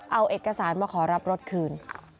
เอาเอกสารมาขอรับรถคืน